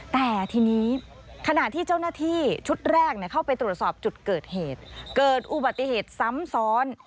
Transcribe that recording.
แต่ทีนี้ขณะที่เจ้าหน้าที่ชุดแรกเข้าไปตรวจสอบจุดเกิดเหตุเกิดอุบัติเหตุซ้ำซ้อน